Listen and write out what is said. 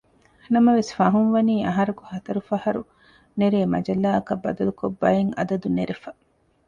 ނަމަވެސް ފަހުންވަނީ އަހަރަކު ހަތަރު ފަހަރު ނެރޭ މަޖައްލާއަކަށް ބަދަލުކޮށް ބައެއް އަދަދު ނެރެފަ